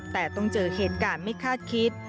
แต่ต้องเจอเหตุการณ์ไม่คาดคิด